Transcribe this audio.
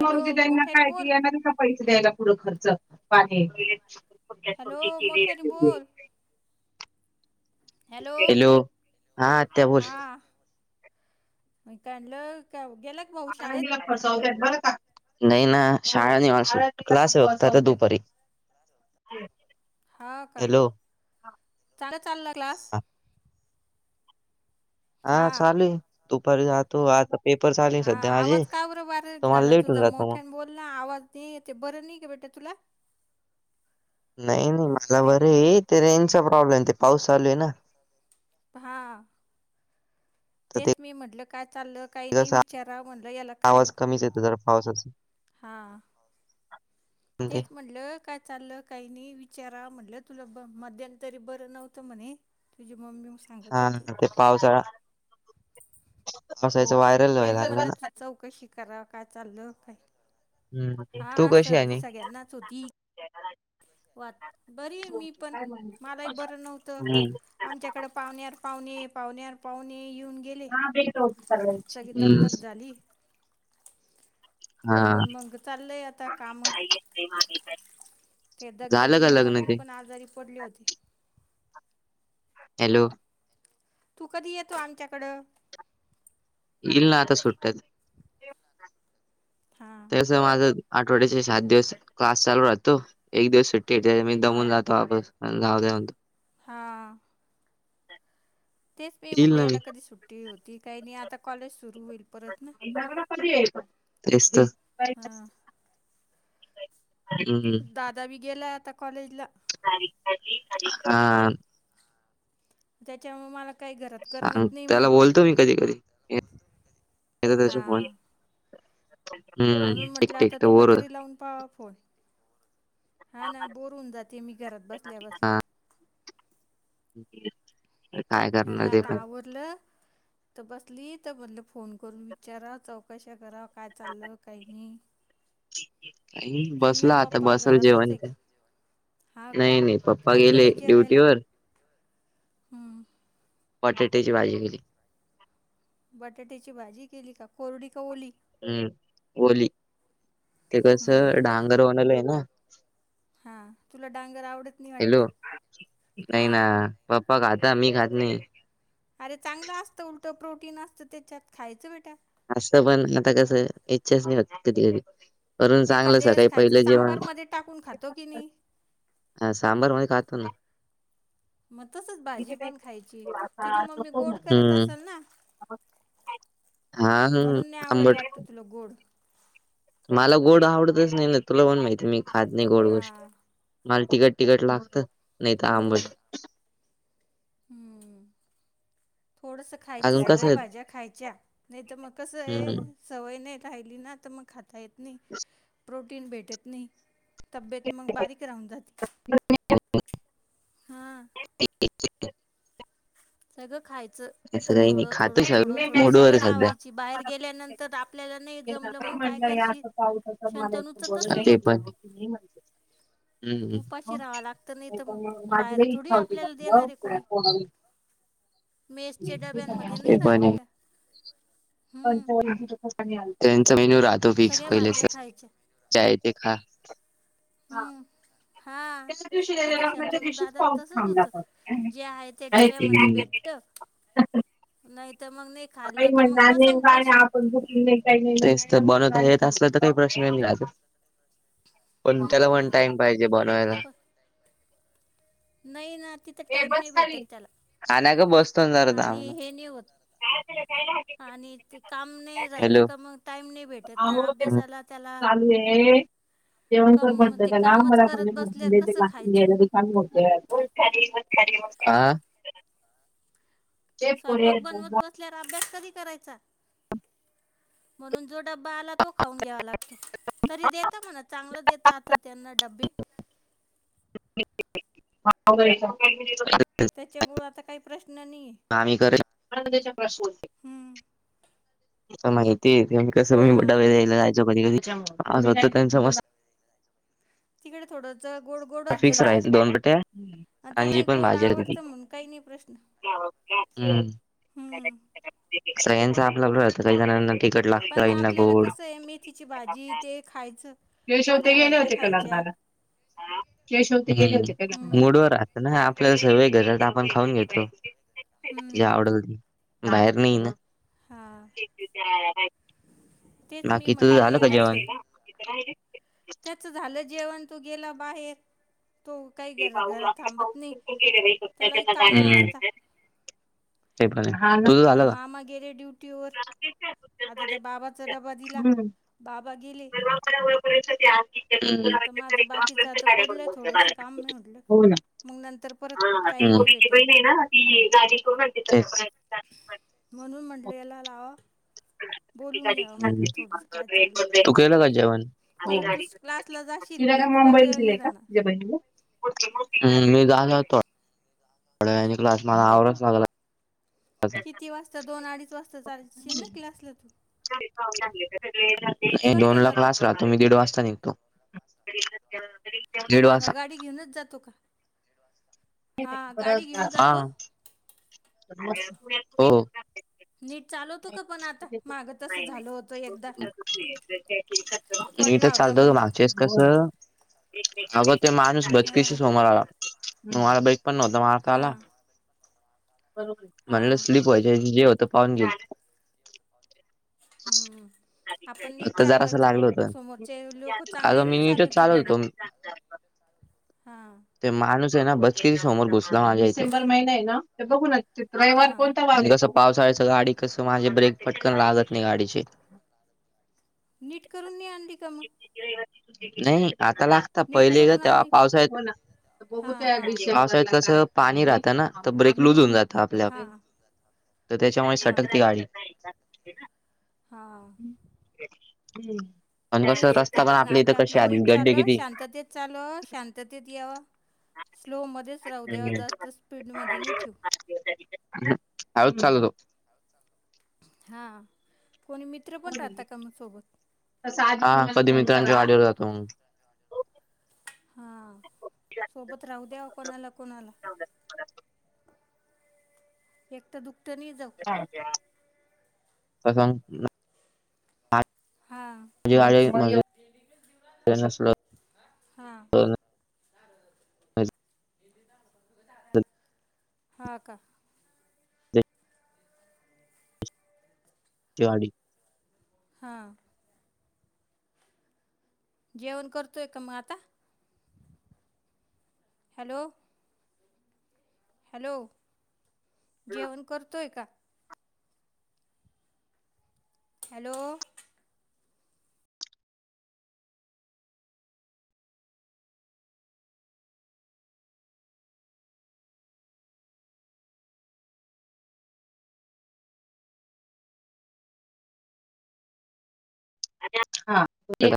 Hello मरूदे त्यांना मोठ्याने काय ते बोल येणार पैसे द्यायला पुढं खर्च पाणी हॅलो [unintelligible] मोठ्याने केलीय बोल [unintelligible] हॅलो हा आत्या बोल हां मी कां म्हणलं कां गेला आपल्या शाळेत जणीला फसवतात बरंका नाही ना शाळा नाय मावशी क्लास ये फक्त आता दुपारी [unintelligible] हा का हॅलो चांगला चालला क्लास हा चालूये दुपारी जातो आत हा आवाज का बर बारिक मला झाला लेट तुझा होऊन जातो मग मोठ्यानी बोल म्हणलं आवाज नही येते बरं नाही का बेटा तुला नाई नाई मला का रे बरं आहे ते रेंज चा प्रॉब्लेम ते पाऊस चालूये ना हा तर ते तेच मी म्हटलं काय चाललं काय नाही विचारा म्हटलं याला काय मीच येतो जरा पावसाच हां [unintelligible] ते तेच म्हटलं काय चाललं काय नी विचारा म्हटलं तुला मधतरी बरं नव्हतं म्हणे तुझ मम्मी म हा ते पावसाळा ससाायच व्हायरल म्हणून व्हायला म्हटलं ना तू चौकशी करा काय चाल्ल काय हम्म तू हा कशी आहे सर्दी आणि सगळ्यांनाच होती. वाट बरी ये मी पण मलाही बरं नव्हतं. हम्म आच्याकडे पावण्यार पावणे पावण्यार पावणे येऊन गेले सगळे दगदग झाली. हा म्हणून मग चाललंय आता काम ते झालं का दगदगीमुळं लग्न मी ते पण आजारी पडले होते हॅलो तू कधी येतो आमच्याकडं इल आता सुटत हां तस माझ आठवड्याचे सात दिवस क्लास चालू राहतो एक दिवस सुट मी दमून जातो आपसावऊणतो हा तेच मी येईल म्हणले ना याला कधी सुट्टी होती काही नाही आता कॉलेज सुरू होईल परत ना तेच तर हां हम्म. दादा बी गेलाय आता कॉलेजला हह त्याच्यामुळे मला काही गरात सांग त्याला बोलतो मी कधी कधी त्या फोन हां हम्म एकटे एकट वर जाण पा होय हा ना बोरून जाते मी घरात बसल्या बसले क ठथेला तावरत तर बसली तर म्हध फोन करून विचार चौक करा काय चाललं काही नाही काही मम्मी बसला आता पप्पा बसल घरातच जेवण आहे का काय हा का नाही नाही पप्पा काय गेले केलंय जेवायला ड्युटीवर हं, पटेट्याची भाजी केेली बटाट्याची भाजी केली का कोरडी का ओली हम्म ली ते कस हं, डांगर होणाल आहे ना हा तुला डांगर आवडत नाही हॅलो वाटत हा नाही ना पप्पा खाता मी खात नाही अरे चांगलं असतं उलट प्रोटीन असतं त्याच्यात खायचं बेटा असं पण आता कसं इच्छच नाही वात कधी कधी करून चांगलं एखादवस सकाळी खायचं पहिलं जेवण सांबार मध्ये टाकून खातो की नाही हा सांबार मध्ये खातो ना मग तसच भाजी पण खायची तुझी मम्मी गोड करत हम्म असेल ना हा हम्म. म्हणून नाही आवडत आंबट वाटत तुला गोड मला गोड आवडतच नाही ना तुला पण माहिती मी खात नाही गोड हा गोष्ट मला तिकट तिकट लागत नाही तर हम्म आंबट हम्म थोडासा खायच्या अजून कसं सगळ्या आहे भाज्या खायच्या नाही तर मग कसं आहे हम्म सवय नाही राहिली ना तर मग खाता येत नाही प्रोटीन भेटत नाही तब्येत मग बारीक राहून जाते हा सगळं खायचं असं काही नाही थोडं खातो थोडं स थोडं थोडं मूडवर सवय आहे सध्या. लावायची बाहेर गेल्यानंतर आप आपल्याला नाही जमलं मग काय करशी शंतनूच तसच ते होत पण हम्म उपाशी राहावा लागत नाही तर मग बाहेर थोडी आपल्याला देणार आहे कोणी मेसच्या डब्यांमध्ये नाही राहत प बेटा हम्म त्यांचा मेनू राहतो पिक्स सगळ्या पहिले भाज्या खायच्या ज य ते खा हुम हा आता शंतनू दादा तसच होतं जे आहे ते डब्यामध्ये हम्म. भेटत नाही तर मग नाही खाल्लं ही का मग म्हणणार बसा नेमका आणि उपाशी आपणु झोपली नाही तेच तर बनवता येत असल्या तर काही प्रश्न मिळात कोणं त्यांयालां हम्म. वनं टाईम पाहिजे बनवायलां नईनं तिथं टाईम नाहीं भेटतं त्यांला आनांयक बसंन जरतां होत आणि ते कामं नाहीं राहिलं कां मंग टाईम नाहीं भेटतं अं हो ते चालूं आहे जेवणं करं कम म्हणतं ते त्यांला कामच मलां करत बसल्यावर कसं खायचं म्हणजेयलां कायं बोलतोयं कोन खांली मंग खांली आ [unintelligible] स्वयंपाक बनवतं बसल्यांवर अभ्यांस कधी करायचां म्हणूंन जो डब्बां आलां तो खाऊंन घ्यांवा लागतो तरी देतां म्हणाते चांगलं देतां आतां त्यांनां डब्बे हां होय [unintelligible] त्यांच्यामुळे आतां कांहीं प्रश्नचं नाहीं आहे आणी करलायं हम्म आं माहिती आहे ते तसं मी बंडा हां वैरेयलां जायचो कधीं कधीं आंज होतं त्यांचं मस्तं तिकडे थोडं चं गोड गोडचं फिक्स देतां राहायचं दोन रोट्या अं आणि जी त्यांलाही गोड आवडतं म्हणूंन कांहीं नाहीं प्रश्नचं हम्मं सर्वांचं आपलं आपलं असतें कांहीं जणांना तिखट लागतं पणं काहींना आपल्यांला गोड कसं आहे मेथीची भाजी ते खायचं पालेभाज्यां खायच्यां हु मुडं व राहतं नां आपल्यांला सवयं आहे घरांत आपणं खाऊंन घेतो जे हम्म आवडलं ते बाहेर नाहीं नां. हा तेच मी बाकीचं कायं म्हटलं झालं कां यालाच जेवणं त्याचं झालं जेवणं तो गेलां बाहेर तो कांहीं गं घरांत थांबतं नाहीं त्यांलाही लंय कामं असतां ते कायं करतं ते मामा गेले ड्युंटी वरं आतां त्यां बाबांचा डब्बा दिलां हुम हु आता माझं बाकीचं आता पडलं थोडंसं काम म्हटलं [unintelligible] मग नंतर परत हम्मं हां ती टाईम नाही पुढंची बहिन भेटत आहे नां ती करूंन तेचं म्हणूंन म्हटलं यांला लावावां हुं थोडंसं काय चाललं काही तूं केलं नाही कां जेवणं हो परत तूच क्लासला जाशील तिलां मग कायं तुला मुंबई लां वेळ नाही दीलयं कां राहणार तिच्यां बहिनिलां हम्मं मी झालं होतो थोड्यां वेळांनी मलां आवरचं लागलां किती वाजतां दोन अडीचं वाजतां जांशील नां क्लांसलां तुं मी दोन वाजता लां जातो क्लांस रहातो मी एक दीड वाजतां निघतो दीड हां कां वाजता गांडी घेऊनचं जातो कां हां हो नीट चालवतो कां पणं आतां मागं तसं झालं होतं एकदां नीटचं चालवतो मागच्यां वेळेसं कसं अगं तो माणूंस बचकीशी हां समोर आलां मलां बाईक पणं नव्हतां माझं कां आलां हां म्हणलं हां स्लीप व्हांयची जे होतं पाहूंन गे हम्मं आपणं नीट जरासं चालवांयची लागलं भाऊ होतं समोरचे लोकं चांगले अगं मी नी नीटच चालवती नाही चालत गाड्यां होतो. हां.. तो माणूंस आहे नां बचकीरी समोर घुसकांला मालां डसेंबलं महिनां आहे नां ते बघं. र्यवार हां कोणत्या वारी येत जसं पावसाळायचं गाडी कसं माझे ब्रेक फटकंन लागतं नाहीं गांडीचे. नीट करूंन नाही आणली कां मंग. नाहीं आतां लागतां नीट पहिले करून गं तेंव्हा आणायची पावसाळयांत येतं हां हां पावसाळ्यात कसं पाणी राहतं ना तर ब्रेक लूज होऊन जात ता आपल्या हां तर त्याच्यामुळे हां सटक ते का गाडी हां पण कस तेच असत तर पण आपल्या इथ कसे आधी गड्डे किती चालू शांततेत यावा स्लोमध्येच राहू द्यावा जास्त स्पीडमध्ये नाही ठेवू हम हाळुच चालूलो हां कोोणी मित्र पण राहता का म सोबत. हा कधी मित्रांच्या गाडीवर जातो मग. हा सोबत राहू द्या, कोणाला, कोणाला एकतं तर दुकतं नाही जाऊं तसंग [unintelligible] हा.. माझी गाडी नसलं हाआ.. हा का? तिआरडी हां.. जेवण करतोय का? मग आता हॅलो हॅलो जेवण करतोय का? हॅलो.. हा [unintelligible] [inaudible]